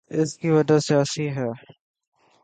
اس کی وجہ سیاسی ہے۔